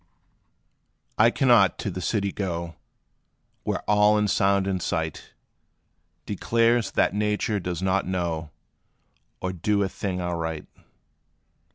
I cannot to the city go, Where all in sound and sight, Declares that nature does not know, Or do a thing aright.